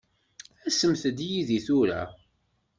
Asemt-d yid-i tura.